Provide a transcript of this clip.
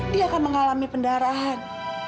dia akan mengalami pendarahan